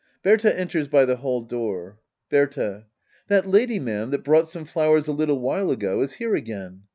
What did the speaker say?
Berta enters by the hall door. Berta. That lady, ma'am, that brought some flowers a little while ago, is here again.